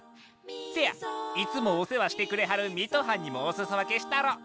せやいつもお世話してくれはる水戸藩にもおすそわけしたろ。